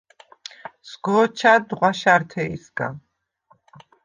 სგო̄ჩა̈დდ ღვაშა̈რთე̄ჲსგა.